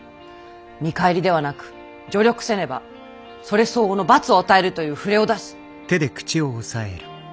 見返りではなく助力せねばそれ相応の罰を与えるという触れを出し。